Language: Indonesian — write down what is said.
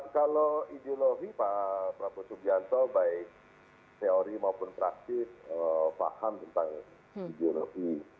kalau ideologi pak prabowo subianto baik teori maupun praktis paham tentang ideologi